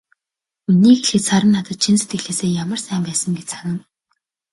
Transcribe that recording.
Үнэнийг хэлэхэд, Саран надад чин сэтгэлээсээ ямар сайн байсан гэж санана.